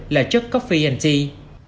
là chất coffee tea